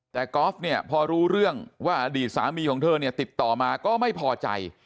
แต่กอล์ฟเนี่ยพอรู้เรื่องว่าอดีตสามีของเธอเนี่ยติดต่อมาก็ไม่พอใจ